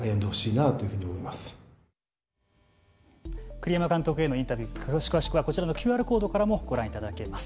栗山監督へのインタビュー詳しくはこちらのＱＲコードからもご覧いただけます。